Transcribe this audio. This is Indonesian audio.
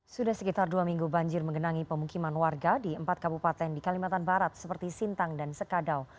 sudah sekitar dua minggu banjir mengenangi pemukiman warga di empat kabupaten di kalimantan barat seperti sintang dan sekadau